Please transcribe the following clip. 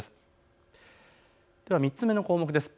３つ目の項目です。